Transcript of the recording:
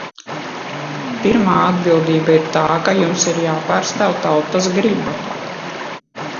Pirmā atbildība ir tā, ka jums ir jāpārstāv tautas griba.